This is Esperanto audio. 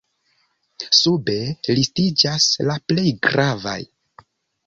Sube listiĝas la plej gravaj.